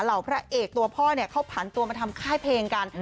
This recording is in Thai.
เหล่าพระเอกตัวพ่อเข้าผันตัวมาทำค่ายเพลงกัน